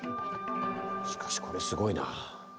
しかしこれすごいな。